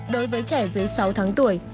đối với trẻ dưới sáu tháng tuổi